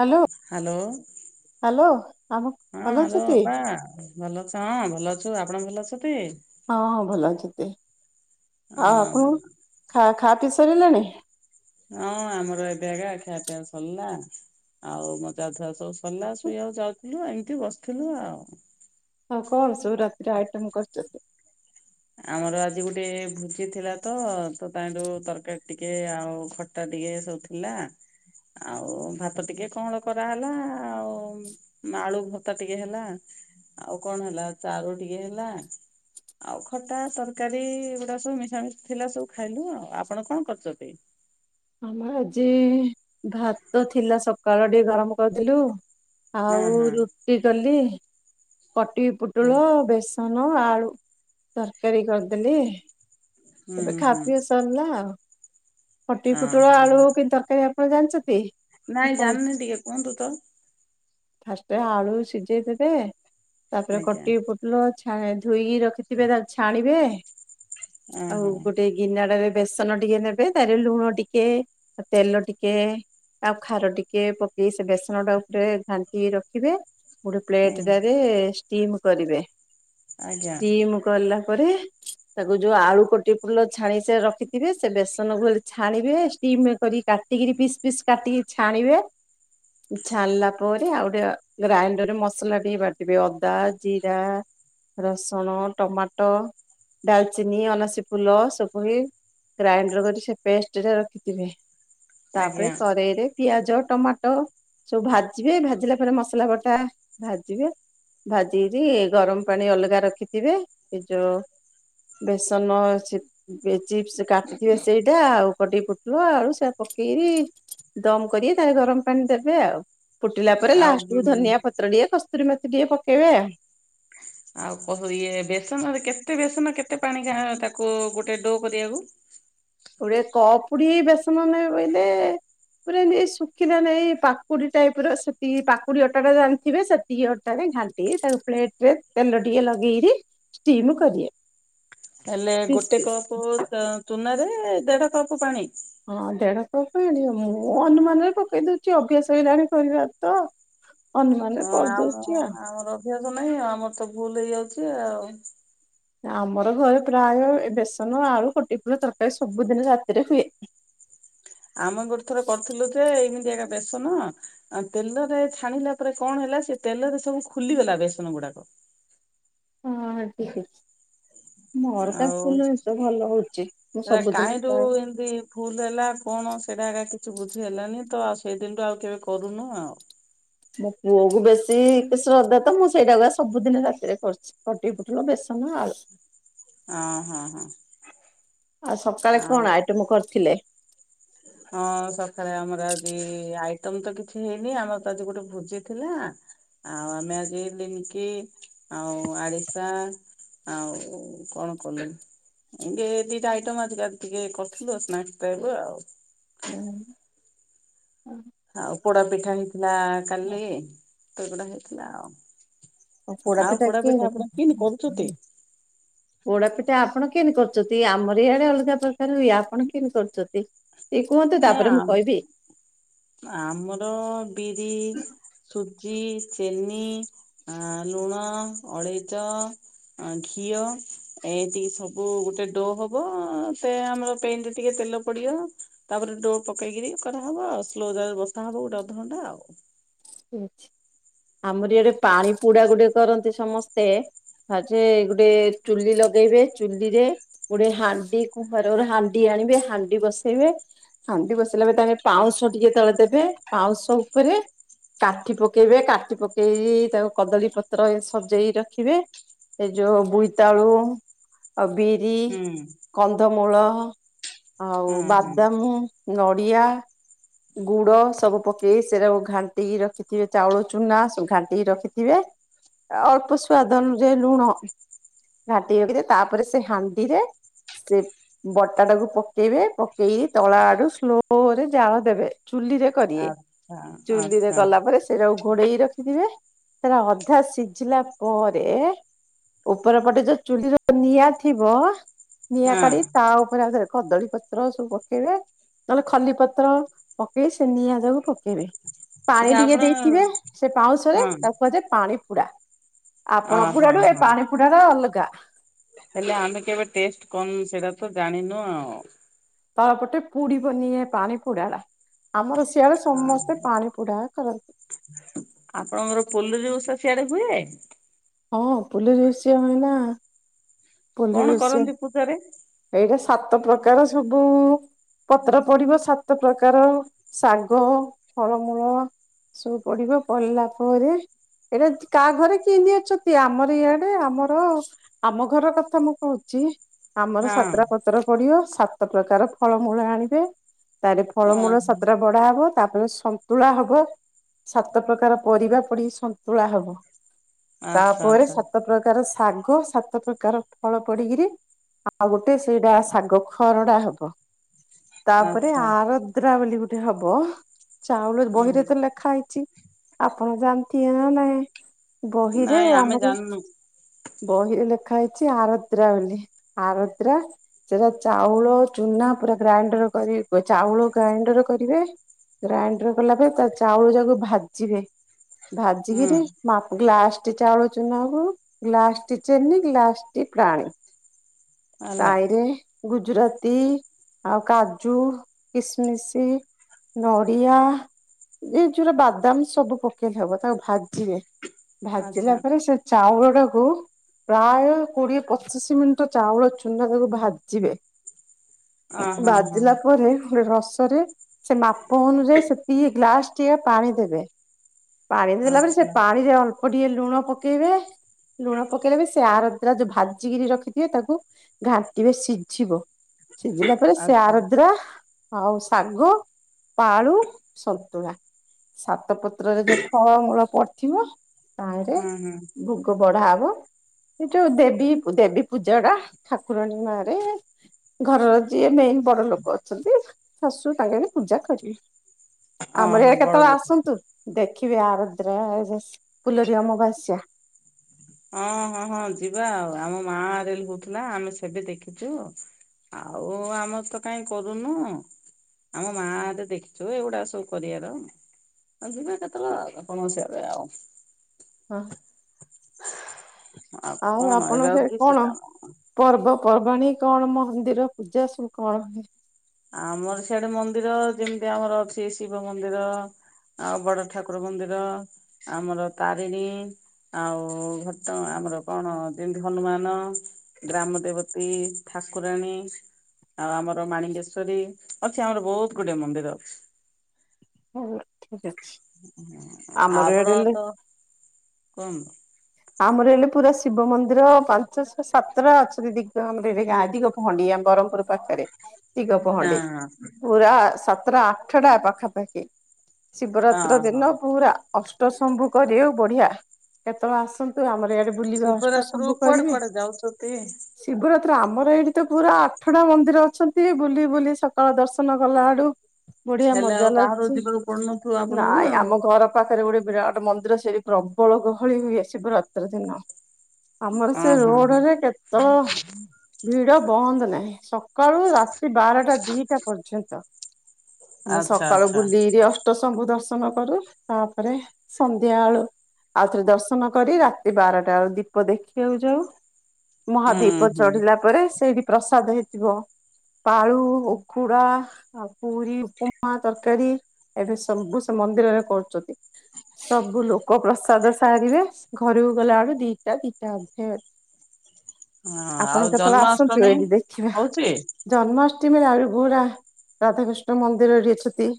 Hello hello hello ଆମ ହଁ ଭଲ ହ୍ୟାଲୋ ଅଛନ୍ତି ଅପା। ଭଲ ଅଛ ହଁ ଭଲ ଅଛୁ ଆପଣ ଭଲ ଅଛନ୍ତି। ହଁ ହଁ ଭଲ ଅଛିତେ ଆଉ ଅଁ ଆପଣା ଖା ଖା ପିଇ ସାରିଲେଣି। ହଁ ଆମର ଏବେଗା ଖାଇଆବା ପିଆବା ସରିଲା। ଆଉ ମୋଜାଧୁଆ ସବୁ ସରିଲା ଶୁଇବାକୁ ଯାଉଥିଲୁ ଏମିତି ବସିଥିଲୁ ଆଉ। ହଁ କଣ ସବୁ ରାତିରେ ଆଇଟମ କରୁଛନ୍ତି। ଆମର ଆଜି ଗୋଟେ ଭୋଜି ଥିଲା ତ ତ ତାଙ୍କଠୁ ତରକାରୀ ଟିକେ ଆଉ ଖଟା ଟିକେ ସବୁ ହେଲା ଆଉ ଭାତ ଟିକେ କଣ କରାହେଲା ଆଉ। ଆଳୁ ଭତ୍ତା ଟିକେ ହେଲା। ଆଉ କଣ ହେଲା ଚାରୁ ଟିକେ ହେଲା ଆଉ ଖଟା ତରକାରୀ ଏଗୁଡା ସବୁ ମିଶାମଶା ଥିଲା ସବୁ ଖାଇଲୁ ଆଉ ଆପଣ କଣ କରୁଛନ୍ତି। ଆମର ଆଜି ଭାତ ଥିଲା ସକାଳ ଟିକେ ଗରମ କରିଦେଲୁ। ହଁ ଆଉ ହଁ ରୁଟି କଲି କଟି ହଁ ପୁଟଳ ବେସ୍‌ ତନ ଆଳୁ ତରକାରୀ କରିଦେଲି ହୁଁ ଏବେ ହୁଁ ଖାପିଅ ସରିଲା ଆଉ। ଫଟି ହଁ ପୁଟଳ ହଁ ଆଳୁ ହଁ କି ତରକାରୀ ଭାରି କରି ଜାଣିଚକି ନାଇଁ ମୁଁ ଜାଣିନି କହୁଛି। ଟିକେ କୁହନ୍ତୁ ତ? ଫାଷ୍ଟେ ଆଳୁ ସିଝେଇ ଦେବେ ତାପରେ ଆଜ୍ଞା କଟିକି ପୁ ଲ ଛା ଧୋଇକି ରଖିଥିବେ ତାକୁ ଛାଣିବେ ହଁ ଆଉ ହଁ ଗୋଟେ ଗିନାଡାରେ ବେସନ ଟିକେ ନେବେ ତାରେ ଲୁଣ ଟିକେ ତେଲ ଟିକେ ଆଉ ଖାର ଟିକେ ପକେଇ ସେ ବେସନ ଟା ଉପରେ ଘା ରଖିବେ ଗୋଟେ ହୁଁ ପ୍ଲେଟେରେ ଷ୍ଟିମ୍ କରିବେ ଆଜ୍ଞା ଷ୍ଟିମ୍ କଲା ପରେ ତାକୁ ଯୋଉ ଆଳୁ କୋଟି ପୁଲ ଛାଣି ସେ ରଖିଥିବେ ସେ ବେସନକୁ ହେଲେ ଛାଣିବେ ଷ୍ଟିମ୍ କରି କାଟିକିରି ପିସ୍ ପିସ୍ କାଟିକି ଛାଣିବେ ଛାଣିଲା ପରେ ଆଉ ଗୋଟେ ଗ୍ରାଇଣ୍ଡରରେ ମସଲା ଟିକେ ବାଟି ଦେବେ ଅଦା ଜିରା ରସୁଣ, ଟମାଟ, ଡାଲଚିନି, ଅଣସୀ ଫୁଲ ସୁପୁଣୀ। ଗ୍ରାଇଣ୍ଡର କରି ସେ ପେଷ୍ଟେରେ ରଖିଥିବେ। ତାପରେ ଆଜ୍ଞା କରେଇରେ ପିଆଜ ଟମାଟ ସବୁ ଭା ଜିବେ ଭାଜିଲା ପରେ ମସଲା ବଟା ଭାଜିବେ ଭାଜିିଗିରି ଗରମ ପାଣି ଅଲଗା ରଖିଥିବେ। ଏ ଯୋଉ ବେସନ ଚି ଚିପ୍ସ କାଟିଥିବେ ସେଇଟା ଆଉ କଟି ଆଳୁ ସେ ପକେଇବି ଦମ କରି ତାପରେ ଗରମ ପାଣି ଦେବେ ଆଉ। ଫୁଟିଲା ପରେ ଆଉ ଲାଷ୍ଟକୁୁ ଧନିଆ ପତ୍ର ଟିକେ କସ୍ତୁରୀ ମେଥି ଟିକେ ପକେଇବେ ଆଉ। ଆଉ କ ଇଏ ବେସନରେ କେତେ ବେସନ କେତେ ପାଣି କା ତାକୁ ଗୋଟେ ଡୋ କରିବାକୁ? ଗୋଟେ କପରେ ବେସନ ନେବେ ବୋଇଲେ ପୁରା ଯେମିତି ଶୁଖିଲା ନାଇଁ ପାକୁଡି ଟାଇପ ର ସେତିକି ପାକୁଡି ଅଟା ଟା ଜାଣିଥିବେ ସେତିକି ଅଟାରେ ଘା ତେଜ ଆଉ ପ୍ଲେଟ୍ ରେ ତେଲ ଟିକେ ଲଗେଇକି ଷ୍ଟିମ୍ କରି ଦିଏ। ହେଲେ ଗୋଟେ ଅ କପ୍ ଚୁନା ରେ ଦେଢ କପ୍ ପାଣି। ହଁ ଦେଢ କପ୍ ଇଣେ ମୁଁ ଅନୁମାନରେ ପକେଇ ଦଉଛି ଅଭ୍ୟାସ ହେଇଲାଣି କରିବା ତ। ଅନୁମାନରେ ହଁ ଆଉ କରିଦଉଛି ଆମର ଅଭ୍ୟାସ ନାହିଁ ଆମର ତ ଭୁଲ ହେଇଯାଉଛି ଆଉ। ଆମର ଘରେ ପ୍ରାୟ ବେସନ ଆଳୁ କଟିକ ପୋଟଳ ତରକାରୀ ସବୁଦିନ ରାତିରେ ହୁଏ। ଆମେ ଗୋଟେ ଥର କରିଥିଲୁ ଯେ ଏଇମିତିକା ବେସନ ଆ ତେଲରେ ଛାଣିଲା ପରେ କଣ ହେଲା ସେ ତେଲରେ ସବୁ ଖୁଲିଗଲା ବେସନ ଗୁଡାକ। ହଁ ଠିକଛେ। ମୋର କାଇଁ ଆଉ ଫୁଲଏ ତ ଭଲ ହଉଛି ମୁଁ ସେଟା ସବୁଦିନେ କାହିଁରୁ ପ୍ରାୟେ ଏମିତି ଭୁଲ ହେଲା କଣ ସେଇଟା ଏକା କିଛି ବୁଝି ହେଲାନି ତ ଆଉ ସେଇଦିନୁ ଆଉ କେବେ କରୁନୁ ଆଉ। ମୋ ପୁଅ କୁ ବେଶୀ ଶ୍ରଦ୍ଧା ତ ମୁଁ ସେଇଟାକୁ ସବୁଦିନ ରାତିରେ କରୁଛି। କଟିକୁ ପୁଟଲ ବେସନ ଆଳୁ। ଆଁ ହଁ ହଁ। ଆଉ ସକାଳେ ଆଉ କଣ ଆଇଟମ କରିଥିଲେ? ହଁ ସକାଳେ ଆମର ଆଜି ଆଇଟମ ତ କିଛି ହେଇନି। ଆମର ତ ଆଜି ଗୋଟେ ଭୋଜି ଥିଲା। ଆଉ ଆମେ ଆଜି ଲିମକି ଆଉ ଆରିଶା ଆଉ କଣ କଲେନି ଏମିତି ଦିଟା ଆଇଟମ ଆଜିକାଲି ଟିକେ କରିଥିଲୁ ଆଉ ସ୍ନାକ୍ସ ଟାଇପ୍ ର ଆଉ। ଏ ହଁ। ଆଉ ପୋଡା ପିଠା ହେଇଥିଲା କାଲି ସେଗୁଡା ହେଇଥିଲା ଆଉ। ଆଉ ପୋଡା ପିଠା ଆପଣ କିଇତି କରୁଛନ୍ତି? ପୋଡା ପିଠା ଆପଣ କେଏତି କରୁଛନ୍ତି? ଆମର ଇଆଡେ ଅଲଗା ପ୍ରକାର ହୁଏ। ଆପଣ କେଏତି କରୁଛନ୍ତି? ଟିକେ କୁହନ୍ତୁ ନାଇ ତାପରେ ମୁଁ କହିବି। ଆ ଆମର ବିରି ସୁଜି ଚିନି ଆ ଲୁଣ ଅଳେଇଚ ଆ ଘିଅ ଏ ଟିକେ ସବୁ ଗୋଟେ ଡୋ ହବ। ସେ ଆମର ପେ ପ୍ୟାନ ରେ ଟିକେ ତେଲ ପଡିବ। ତାପରେ ଡୋ ପକେଇକିରି କରାହବ ଆଉ। ସ୍ଲୋ ଯାଳ ବସା ହବ ଗୋଟେ ଅଧଘଣ୍ଟା ଆଉ। ଆମର ଏଇଡେ ପାଣି ପୋଡା ଗୋଟେ କରନ୍ତି ସମସ୍ତେ। ଆଯେ ଗୋଟେ ଚୁଲି ଲଗେଇବେ ଚୁଲି ରେ ଗୋଟେ ହାଣ୍ଡି କୁରେ ଗୋଟେ ହାଣ୍ଡି ଆଣିବେ ହାଣ୍ଡି ବସେଇବେ। ହାଣ୍ଡି ବସାଇଲା ଭିତରେ ପାଉଁଶ ଟିକେ ତଳେ ଦେବେ ପାଉଁଶ ଉପରେ କାଠି ପକେଇବେ। କାଠି ପକେଇ ତାକୁ କଦଳୀ ପତ୍ର ସଜେଇ ରଖିବେ। ଏ ଯୋଉ ବୋଇତାଳୁ ଆଉ ବିନ୍ ବି ହୁଁ କନ୍ଧମୂଳ ଆଉ ହୁଁ ହୁଁ ବାଦାମ, ନଡ଼ିଆ। ଗୁଡ ସବୁ ପକେଇକି ସେଇରାକୁ ଘାଣ୍ଟିକି ରଖିଥିବେ ଚାଉଳ ଚୁନା ସବୁ ଘାଣ୍ଟିକି ରଖିଥିବେ। ଅଳ୍ପ ସ୍ୱାଦ ଅନୁଯାଇ ଲୁଣ ଘାଟିକି ରଖିଥିବେ ତାପରେ ସେଇ ହାଣ୍ଡିରେ ସେ ବଟା ଟାକୁ ପକେଇବେ ପକେଇକି ତଳ ଆଡୁ ସ୍ଲୋ ରେ ଜାଳ ଦେବେ। ଚୁଲିରେ କରିବେ ଆଚ୍ଛା ଚୁଲି ରେ ଆଚ୍ଛା କଲା ପରେ ସେଇଟାକୁ ଘୋଡେଇ ରଖିଥିବେ ହେଲା ଅଧା ସିଝିଲା ପରେ ଉପର ପଟେ ଯୋଉ ଚୁଲିର ନିଆଁ ଥିବ ନିଆଁ ହଁ। କାଢି ତା ଉପରେ ଆଉଥରେ କଦଳୀ ପତ୍ର ସବୁ ପକେଇବେ ନହେଲେ ଖଲି ପତ୍ର ପକେଇ ସେ ନିଆ ଯାକୁ ପକେଇବେ। ପାଣି ଆଚ୍ଛା ଟିକେ ଆପଣ ଦେଇଥିବେ ସେ ପାଉଁଶରେ ହଁ ତାକୁ କୁହାଯାଏ ପାଣି ପୁରା। ଅ ଆପଣ ହଁ ପୁଡାରୁୁ ଏ ହଁ ପାଣି ପୁଡା ଟା ଅଲଗା। ହେଲେ ଆମେ କେବେ ଟେଷ୍ଟ କନୁ ସେଇଟା ତ ଜାଣିନୁ ଆଉ। ତଳପଟେ ପୁଡିବନିଏ ପାଣି ପୋଡା ଟା ଆମର ସିଆଡେ ହଁ ସମସ୍ତେ ପାଣି ପୋଡା କରନ୍ତି। ଆପଣଙ୍କର ପୋଲରୀ ଓଷା ସିଆଡେ ହୁଏ? ହଁ ପୁଲି ରୋଷିଆ ହୁଏନା। ପୁଲି କଣ ଦୋସିଆ କରନ୍ତି ପୂଜାରେ? ଏଇଟା ସାତ ପ୍ରକାର ସବୁ। ପତ୍ର ପଡିବ ସାତ ପ୍ରକାର ଶାଗ, ଫଳମୂଳ। ସବୁ ପଢିବ ପଢିଲା ପରେ ଏଇଟା କାହା ଘରେ କେନି ଅଛନ୍ତି। ଆମର ଇଆଡେ ଆମର ଆମ ଘ ଘର କଥା ମୁଁ କହୁଛି ଆମର ସାତ ହଁ। ଟା ପତ୍ର। ପଡିଅ ସାତ ପ୍ରକାର ଫଳମୂଳ ଆଣିବେ ତାରେ ଫଳମୂଳ ଓହୋ। ସାତଟା ପା ହବ ତାପରେ ସନ୍ତୁଳା ହବ ସାତ ପ୍ରକାର ପରିବା ପଡି ସନ୍ତୁଳା ହବ। ଆଚ୍ଛା ତାପରେ ଆଚ୍ଛା ସାତ ପ୍ରକାର ଶାଗ ସାତ ପ୍ର କାର ଫଳ ପଡିକିରି ଆଉ ଗୋଟେ ସେଇଟା ଶାଗ ଖରଡା ହବ। ତାପରେ ଆଚ୍ଛା ଆରଦ୍ରା ବୋଲି ଗୋଟେ ହବ। ଚାଉଳ ବହିରେ ହୁଁ ତ ଲେଖା ହେଇଛି। ଆପଣ ଜାନ୍ତି ଆ ବହିରେ ନାଇଁ ଆମେ ଆମରି ଜାଣିନୁ ବହିରେ ଲେ ଲେଖା ହେଇଛି ଆରତ୍ରା ବୋଲି ଆରତ୍ରା ସେଟା ଚାଉଳ ଚୁନା ପୁରା ଗ୍ରାଇଣ୍ଡର କରି ଚାଉଳ ଗ୍ରାଇଣ୍ଡର କରିବେ। ଗ୍ରାଇଣ୍ଡର କଲା ପରେ ତା ଚାଉଳ ଯାକୁ ଭାଜିବେ। ହୁଁ ଭାଜିକିରି ମାପ ଗ୍ଲାସଟି ଚାଉଳ ଚୁନାକୁ ଗ୍ଲାସ ଟି ଚିନି ଲାସ୍ଟି ପ୍ରାଣୀ ହେଲା ତାଇରେ ଗୁଜୁରାତି ଆଉ କାଜୁ କିସମିଶ ନଡ଼ିଆ ଏ ଯୋରୋ ବାଦାମ ସବୁ ପକେଇଲେ ହବ ତାକୁ ଭାଜିବେ। ଭାଜିଲା ଆଚ୍ଛା ପରେ ସେ ଚାଉଳ ଟାକୁ ପ୍ରାୟ କୋଡିଏ ପଚିଶି ମିନିଟ ଚାଉଳ ଚୁନା ତାକୁ ଭାଜିବେ। ଅ ହଁ ହଁ ଭାଜିଲା ପରେ ଗୋଟେ ରସରେ ସେ ମାପ ଅନୁଯାୟୀ ସେତିକି ଗ୍ଲାସ ଟିଏ ପାଣି ଦେବେ। ପାଣି ଦେଲା ପରେ ସେ ଆଚ୍ଛା ପାଣିରେ ଅଳ୍ପ ଟିକେ ଲୁଣ ପକେଇବେ ଲୁଣ ପକେଇଲେ ବି ସେ ଆରଦ୍ରା ଯୋଉ ଭାଜିିକିରି ରଖିଥିବେ ତାକୁ ଘାଣ୍ଟିିବେ ସିଝିବ ସିଝିଲା ପରେ ସେ ଆଚ୍ଛା ଆରଦ୍ରା ଆଉ ଶାଗ ପାଳୁ ସନ୍ତୁଳା ସାତପ ପତ୍ରରେ ଯୋଉ ଫଳମୂଳ ପଡିଥିବ ତାହରେ ହୁଁ ହୁଁ ଭୋଗ ବଢା ହବ। ସେଇ ଯୋଉ ଦେବୀ ଦେବୀ ପୂଜା ଟା ଠାକୁରଣୀ ମା ରେ। ଘରର ଯିଏ ମେନ ବଡ ଲୋକ ଅଛନ୍ତି ଶାଶୁ ତାଙ୍କେ ପୂଜା କରିବେ। ଆମର ଓହୋ ଏୟା ବଡ କେତେବେଳେ ଲୋକ ଆସନ୍ତୁ। ଦେଖିବି ଆରଦ୍ରା ଫୁଲୋରି ଅମାବାସ୍ୟା। ହଁ ହଁ ହଁ ଯିବା ଆଉ ଆମ ମା ଆର ହଉଥିଲା ଆମେ ସେବେ ଦେଖିଛୁ ଆଉ ଆମର ତ କାହିଁ କରୁନୁ। ଆମ ମା ଦେଖିଛୁ ଏଗୁଡା ସବୁ କରିବାର। ଯିବା କେତେଳେ ଆପଣସିଆରେ ଆଉ। ହଁ। ଆଉ କଣ ଆପଣ ଏବେ ଆଉ ସେ କିସ କଣ? କାମ ପର୍ବପର୍ବାଣୀ କଣ ମନ୍ଦିର ପୂଜା ସବୁ କଣ ହୁ ଆମର ସିଆଡେ ମନ୍ଦିର ଯେମିତି ଆମର ଅ ସେ ଶିବ ମନ୍ଦିର ଆଉ ବଡ ଠାକୁର ମନ୍ଦିର ଆମର ତାରିଣୀ ଆଉ ଘଟ ଆମର କଣ ଯେମତି ହନୁମାନ ଗ୍ରାମ ଦେବତୀ ଠାକୁରାଣୀ ଆଉ ଆମର ମାଣଙ୍ଗେଶ ଅଛି ଆମର ବହୁତ ଗୁଡେ ମନ୍ଦିର। ଠିକ ଅଛି ଆମର ଆପଣ ଏଡେ ତ କଅନ୍ତୁ ଆମର ହେଲେ ପୁରା ଶିବ ମନ୍ଦିର ପାଞ୍ଚଶହ ସାତଟା ଅଛନ୍ତି ଦିଗ ଆମର ଗାଁ ଦିଗ ଖଣ୍ଡିଆ ବ୍ରହମପୁର ପାଖରେ ତିଗ ହଁ ପହଣ୍ଡି ହଁ ପୁରା ସାତଟା ଆଠ ଟା ପାଖାପାଖି ହଁ ଶିବରାତ୍ର ହଁ ଦିନ ପୁରା ଅଷ୍ଟଶମ୍ଭୁ କରି ଆଉ ବଢିଆ କେତେବେଳେ ଆସନ୍ତୁ ଆମରଆଡେ ବୁଲିବା ଅଷ୍ଟ ଶିବରାତ୍ରିରୁ ଶମ୍ୱୁ କୁଆଡେ କରିବେ କୁଆଡେ ଯାଉଛନ୍ତି? ଶିବରାତ୍ର ଆମର ଏଇଠି ତ ପୁରା ଆଠଟା ମନ୍ଦିର ଅଛନ୍ତି ବୁଲି ବୁଲି ସକାଳ ଦର୍ଶନ କଲା ଅଡୁ ବଢିଆ ହେଲେ ଆଉ ମଜା ଲା ବାହାରକୁ ଯିବାକୁ ପଡୁନଥିବ ଆପଣଙ୍କୁ ଆଉ ଘର ପାଖରେ ଗୋଟେ ବିରାଟ ମନ୍ଦିର ସେଇଠ ପ୍ରବଳ ଗହଳି ହୋଇ ଆସିବ ରାତ୍ର ଦିନ ଆମର ଓ ସେ ହଁ ହଁ ରୋଡରେ କେତେଳ ଭିଡ ବନ୍ଦ ନାହିଁ ସକାଳୁ ରାତି ବାରଟା ଦିଟା ପର୍ଯ୍ୟନ୍ତ ଆମେ ଆଚ୍ଛା ସକାଳୁ ଆଚ୍ଛା ସ୍ରି ଅଷ୍ଟ ଶମ୍ୱୁ ଦର୍ଶନ କରୁ ତାପରେ ସନ୍ଧ୍ୟା ଆଳେ ଆଉ ଥରେ ଦର୍ଶନ କରି ରାତି ବାରଟା ବେଳୁ ଦୀପ ଦେଖିବାକୁ ଯାଉ ହୁଁ ମହାଦୀପ ହୁଁ। ଚଢିଲା ପରେ ସେଇଠି ପ୍ରସାଦ ହେଇଥିବ ପାଳୁ ଉକୁଡ଼ା ଆ ପୁରୀ ଉପମା ତରକାରୀ କରୀ ଏବେ ସବୁ ସେ ମନ୍ଦିରରେ କରୁଛନ୍ତି। ସବୁ ଲୋକ ପ୍ରସାଦ ସାରିବେ ଘରକୁ ଗଲା ବଳୁ ଦିଟା ଦିଟା ଅଧେ ହଁ ଆପଣ ଆଉ କେତେବେଳେ ଆସନ୍ତୁ ଜନ୍ମାଷ୍ଟମୀ ଏଠି ଦେଖିବା ହଉଛି ଜନ୍ମାଷ୍ଟମୀରେ ଆହୁରି ଗୁରା ରାଧାକୃଷ୍ଣ ମନ୍ଦିରରେ ଅଛନ୍ତି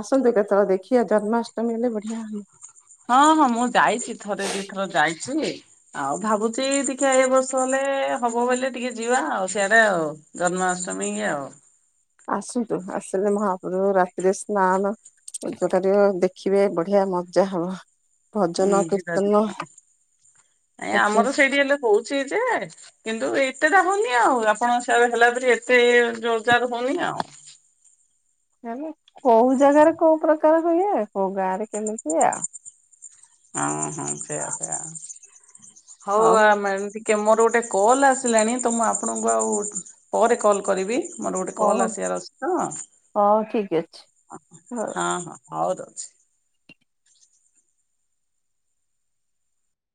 ଆସନ୍ତୁ କେତେବେଳେ ଦେଖିବା ଜନ୍ମାଷ୍ଟମୀ ହେଲେ ବଢିଆ ହୁ। ହଁ ହଁ ମୁଁ ଯାଇଛି ଥରେ ଦିଥର ଯାଇଛି ଆଉ ଭାବୁଛି ଟିକେ ଏ ବର୍ଷ ହେଲେ ହବ ବୋଇଲେ ଟିକେ ଯିବା ଆଉ ସିଆଡେ ଆଉ ଜନ୍ମାଷ୍ଟମୀ ଇ ଆଉ ଆସନ୍ତୁ ଆସିଲେ ମହାପ୍ରଭୁ ରାତିରେ ସ୍ନାନ ପୂଜା କରିବେ ଦେଖିବେ ବଢିଆ ମଜା ହବ ହୁଁ ଭଜନ ଯିବା ଯିବା ଆ ଆମର କୀର୍ତ୍ତନ ସେଇଠି ହେଲେ କହୁଛି ଯେ କିନ୍ତୁ ଏତେଟା ହଉନି ଆଉ ଆପଣ ସେ ହେଲା ପରେ ଏତେ ଇଏ ରୋଜଗାର ହଉନି ଆଉ ହେଲେ କୋଉ ଜାଗାରେ କୋଉ ପ୍ରକାର ହୁଏ କୋଉ ଗାଁ ରେ କେମିତି ହୁଏ ଆଉ ହଁ ହଁ ସେଇୟା ସେଇୟା ହଉ ଆମେ ଟି କେ ମୋର ଗୋଟେ କଲ୍ ଆସିଲାଣି ତ ମୁଁ ଆପଣଙ୍କୁ ଆଉ ପରେ କଲ୍ କରିବି ମୋର ଗୋଟେ ହଉ କଲ ଆସିବାର ଅଛି ତ ହଉ ଠିକ ଅଛି ହଁ ହଉ। ହଁ ହଉ ଦଉଛି